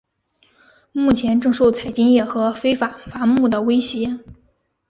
目前正受采金业和非法伐木的威胁。